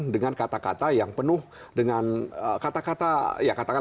dengan kata kata yang penuh dengan